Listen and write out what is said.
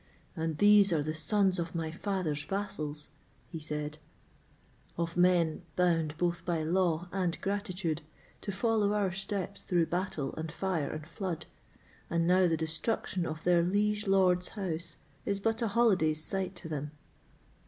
"And these are the sons of my father's vassals," he said—"of men bound, both by law and gratitude, to follow our steps through battle, and fire, and flood; and now the destruction of their liege lord's house is but a holiday's sight to them."